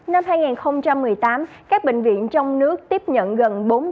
năm hai nghìn một mươi tám các bệnh viện trong nước tiếp nhận gần bốn trăm linh đô thị